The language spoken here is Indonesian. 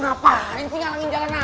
ngapain tinggal nginjalan nada yuk